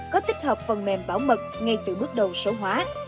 có tích hợp phần mềm bảo mật ngay từ bước đầu số hóa